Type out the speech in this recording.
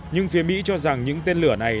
nhưng phía mỹ cho rằng những tên lửa này